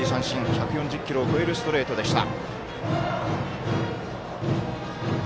１４０キロを超えるストレートでした。